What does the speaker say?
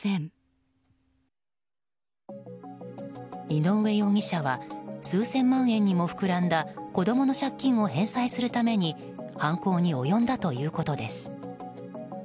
井上容疑者は数千万円にも膨らんだ子供の借金を返済するために犯行に及んだということです。